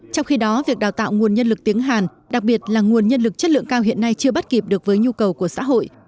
trong khi đó việc đào tạo nguồn nhân lực tiếng hàn đặc biệt là nguồn nhân lực chất lượng cao hiện nay chưa bắt kịp được với nhu cầu của xã hội